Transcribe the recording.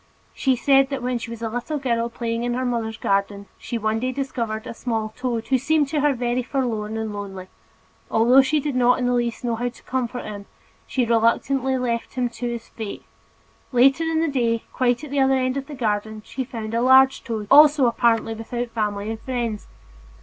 She said that when she was a little girl playing in her mother's garden, she one day discovered a small toad who seemed to her very forlorn and lonely, although she did not in the least know how to comfort him, she reluctantly left him to his fate; later in the day, quite at the other end of the garden, she found a large toad, also apparently without family and friends.